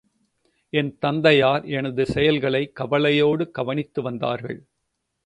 என் தந்தையார் எனது செயல்களை கவலையோடு கவனித்து வந்தார்கள்.